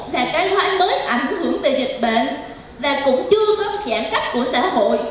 là cái hóa mới ảnh hưởng về dịch bệnh và cũng chưa có giãn cách của xã hội